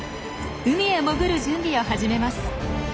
海へ潜る準備を始めます。